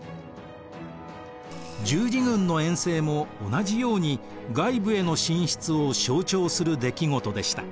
十字軍の遠征も同じように外部への進出を象徴する出来事でした。